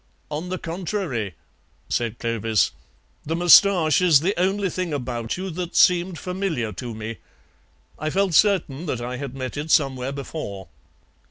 "On the contrary," said Clovis, "the moustache is the only thing about you that seemed familiar to me. I felt certain that I had met it somewhere before."